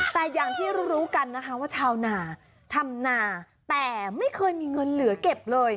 แต่อย่างที่รู้กันนะคะว่าชาวนาทำนาแต่ไม่เคยมีเงินเหลือเก็บเลย